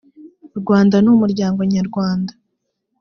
rwanda ni umuryango nyarwanda